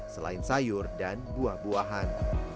selain sayur dan buah buahan